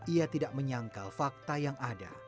ia tidak menyangkal fakta yang ada